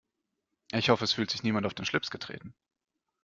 Ich hoffe, es fühlt sich niemand auf den Schlips getreten.